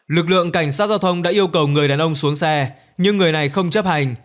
lực lượng cảnh sát giao thông đã yêu cầu người đàn ông xuống xe nhưng người này không chấp hành